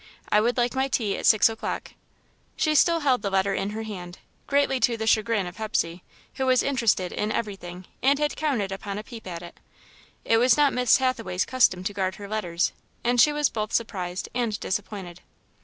I would like my tea at six o'clock." She still held the letter in her hand, greatly to the chagrin of Hepsey, who was interested in everything and had counted upon a peep at it. It was not Miss Hathaway's custom to guard her letters and she was both surprised and disappointed.